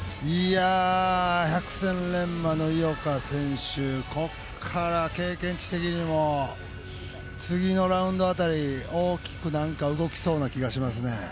百戦錬磨の井岡選手、ここから経験値的にも次のラウンド辺り、大きく動きそうな気がしますね。